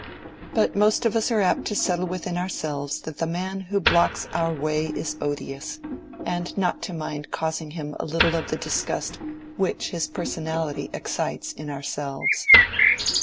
But most of us are apt to settle within ourselves that the man who blocks our way is odious, and not to mind causing him a little of the disgust which his personality excites in ourselves.